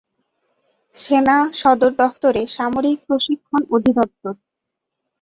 সেনা সদর দফতরে সামরিক প্রশিক্ষণ অধিদপ্তর।